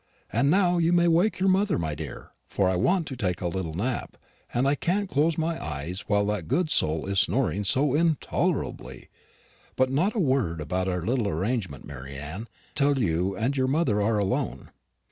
And now you may wake your mother, my dear; for I want to take a little nap, and I can't close my eyes while that good soul is snoring so intolerably; but not a word about our little arrangement, Mary Anne, till you and your mother are alone."